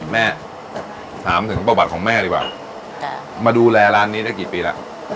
แม่ถามถึงประวัติของแม่ดีกว่ามาดูแลร้านนี้ได้กี่ปีแล้ว